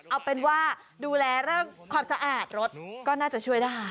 เอาเป็นว่าดูแลเรื่องความสะอาดรถก็น่าจะช่วยได้